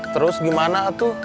terus gimana atuh